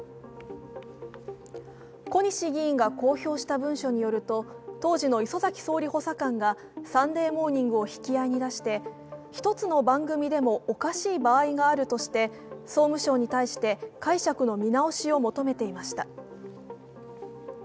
小西議員が公表した文書によると当時の礒崎総理補佐官が「サンデーモーニング」を引き合いに出して、１つの番組でもおかしい場合があるとして、総務省に対して解釈の見直しを求めていました。